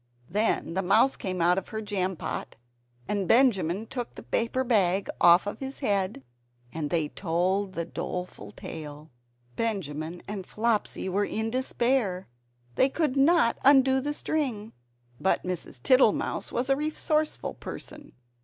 Then the mouse came out of her jam pot, and Benjamin took the paper bag off his head, and they told the doleful tale. Benjamin and Flopsy were in despair, they could not undo the string. But Mrs. Tittlemouse was a resourceful person.